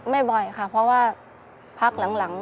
บ่อยค่ะเพราะว่าพักหลัง